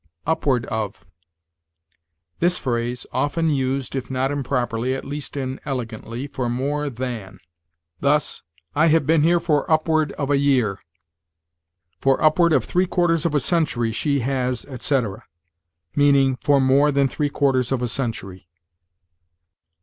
UPWARD OF. This phrase is often used, if not improperly, at least inelegantly, for more than; thus, "I have been here for upward of a year"; "For upward of three quarters of a century she has," etc., meaning, for more than three quarters of a century.